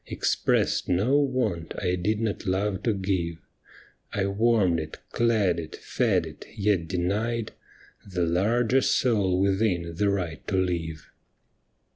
Expressed no want I did not love to give — I warmed it, clad it, fed it, yet denied The larger soul within the right to live.